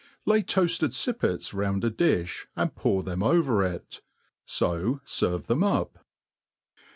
Lay toafted (ippets round a di(b, and pour them over it ; (o ferve them up.